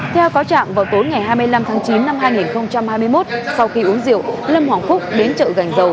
theo cáo trạng vào tối ngày hai mươi năm tháng chín năm hai nghìn hai mươi một sau khi uống rượu lâm hoàng phúc đến chợ gành dầu